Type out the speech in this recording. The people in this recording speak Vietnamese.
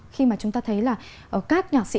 khi mà chúng ta thấy là các nhạc sĩ